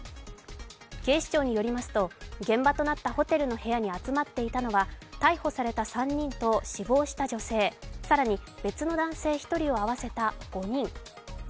警視庁によりますと現場となったホテルの部屋に集まっていたのは逮捕された３人と死亡した女性、更に別の男性１人を合わせた５人。